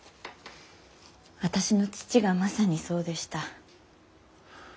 私の父がまさにそうでした。